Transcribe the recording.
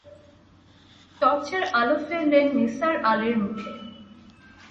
টর্চের আলো ফেললেন নিসার আলির মুখে।